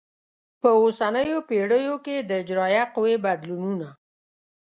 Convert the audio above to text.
په اوسنیو پیړیو کې د اجرایه قوې بدلونونه